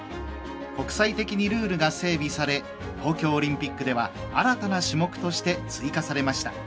国際的にルールが整備され東京オリンピックでは新たな種目として追加されました。